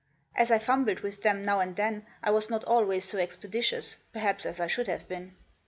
As I fumbled with them now and then, I was not always so expeditious, perhaps, as I should have been.